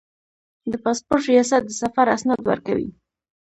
د پاسپورت ریاست د سفر اسناد ورکوي